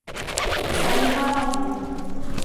لِسَعْيِهَا رَاضِيَةٌ